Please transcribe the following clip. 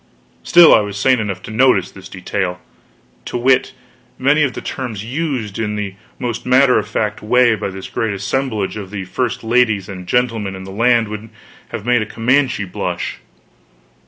Still, I was sane enough to notice this detail, to wit: many of the terms used in the most matter of fact way by this great assemblage of the first ladies and gentlemen in the land would have made a Comanche blush.